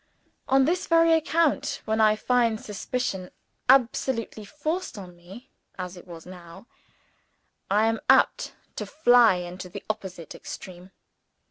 On this very account, when I find suspicion absolutely forced on me as it was now I am apt to fly into the opposite extreme.